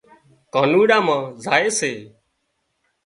ڪانوڙا مان زائي سي